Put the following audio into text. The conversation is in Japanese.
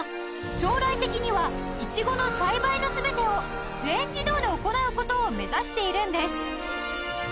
将来的にはイチゴの栽培の全てを全自動で行う事を目指しているんです